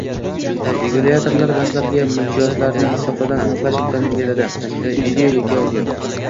Regulyatorlar banklarga mijozlarni masofadan aniqlash imkonini beradi - video yoki audio